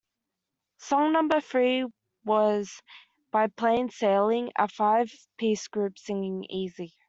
Song number three was by Plain Sailing, a five-piece group singing "Easy".